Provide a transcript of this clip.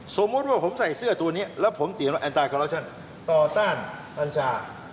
สมมุติว่าผมใส่เสื้อตัวนี้แล้วผมติดต่อต้านทันชา